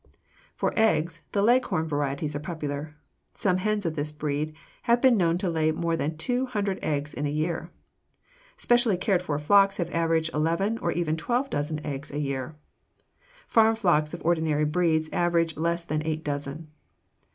For eggs, the Leghorn varieties are popular. Some hens of this breed have been known to lay more than two hundred eggs in a year. Specially cared for flocks have averaged eleven or even twelve dozen eggs a year. Farm flocks of ordinary breeds average less than eight dozen.